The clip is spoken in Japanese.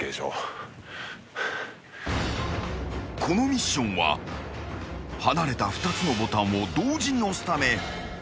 ［このミッションは離れた２つのボタンを同時に押すため］